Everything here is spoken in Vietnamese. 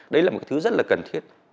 đấy là một cái thứ rất là cần thiết